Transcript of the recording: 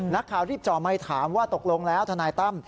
นักข่าวรีบจ่อไมค์ถามว่าตกลงแล้วทนายตั้ม